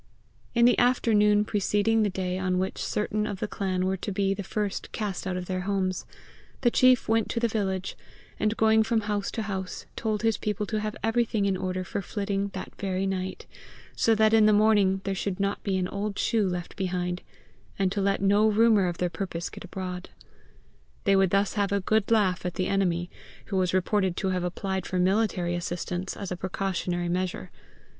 In the afternoon preceding the day on which certain of the clan were to be the first cast out of their homes, the chief went to the village, and going from house to house, told his people to have everything in order for flitting that very night, so that in the morning there should not be an old shoe left behind; and to let no rumour of their purpose get abroad. They would thus have a good laugh at the enemy, who was reported to have applied for military assistance as a precautionary measure.